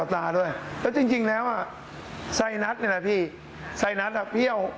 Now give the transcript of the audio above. ต้องเอาชี้ที่